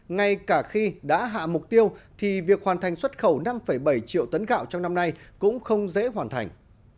ngay cả khi đã hạ mục tiêu thì việc hoàn thành xuất khẩu năm bảy triệu tấn gạo trong năm nay cũng không dễ hoàn thành